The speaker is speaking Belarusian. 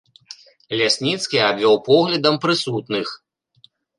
Лясніцкі абвёў поглядам прысутных.